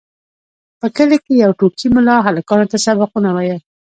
په کلي کې یو ټوکي ملا هلکانو ته سبقونه ویل.